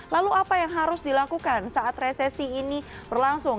lalu apa yang harus dilakukan saat resesi ini berlangsung